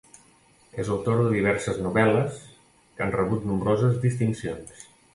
És autora de diverses novel·les que han rebut nombroses distincions.